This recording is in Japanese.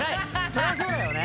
そりゃそうだよね。